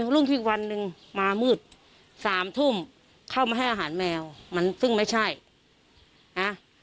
รุ่งอีกวันหนึ่งมามืดสามทุ่มเข้ามาให้อาหารแมวมันซึ่งไม่ใช่นะ